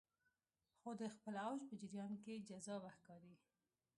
خو د خپل اوج په جریان کې جذابه ښکاري